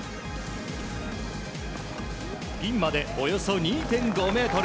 ピンまでおよそ２．５ｍ。